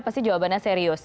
pasti jawabannya serius